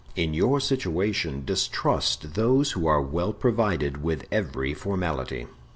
In your situation distrust those who are well provided with every formality."